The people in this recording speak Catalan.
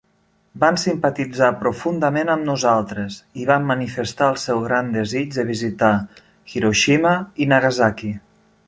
Van simpatitzar profundament amb nosaltres, i van manifestar el seu gran desig de visitar Hiroshima i Nagasaki.